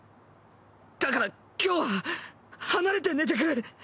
だから今日は離れて寝てくれ。